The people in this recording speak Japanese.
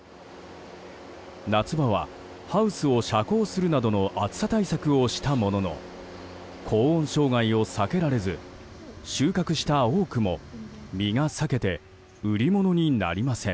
夏場はハウスを遮光するなどの暑さ対策をしたものの高温障害を避けられず収穫した多くも実が裂けて売り物になりません。